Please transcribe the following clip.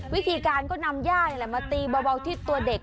วิธีการก็นำย่ามาตีเบาที่ตัวเด็ก